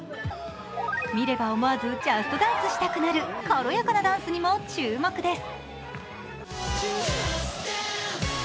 見れば思わず「ＪＵＳＴＤＡＮＣＥ！」したくなる軽やかなダンスにも注目です。